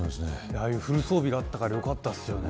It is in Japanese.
ああいうフル装備があったからよかったですね。